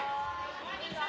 こんにちは！